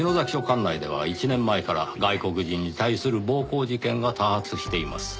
管内では１年前から外国人に対する暴行事件が多発しています。